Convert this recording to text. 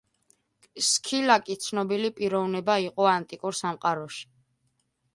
სქილაკი ცნობილი პიროვნება იყო ანტიკურ სამყაროში.